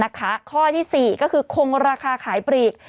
ข้อที่๔ก็คือคงราคาขายปลีก